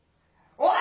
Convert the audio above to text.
おい！